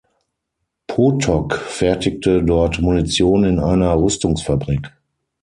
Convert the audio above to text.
Potok fertigte dort Munition in einer Rüstungsfabrik.